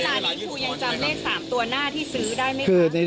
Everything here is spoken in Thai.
ครูคะแล้วเวลานี้ครูยังจำเลข๓ตัวหน้าที่ซื้อได้ไหมคะ